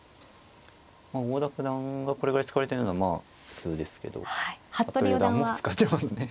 郷田九段がこれぐらい使われてるのはまあ普通ですけど服部四段も使ってますね。